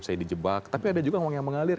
saya di jebak tapi ada juga uang yang mengalir